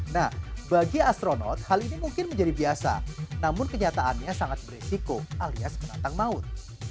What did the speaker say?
nah bagi astronot hal ini mungkin menjadi biasa namun kenyataannya sangat beresiko alias penantang maut